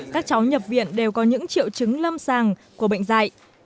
các cháu nhập viện đều có những triệu chứng lâm sàng của bệnh dạy